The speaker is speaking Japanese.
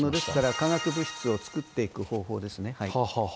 化学物質を作っていく方法ですね。